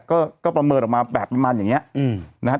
ก็ประเมินออกมาแบบประมาณอย่างนี้นะครับ